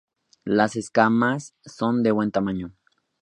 Las escamas son de buen tamaño.